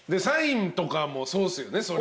サインとかもそうっすよね。